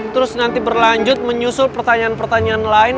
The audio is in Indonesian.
terus nanti berlanjut menyusul pertanyaan pertanyaan lain